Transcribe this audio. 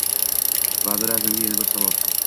Vaziri a’zamga yana bir savol: